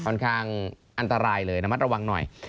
ค่อนข้างอันตรายเลยระมัดระวังหน่อย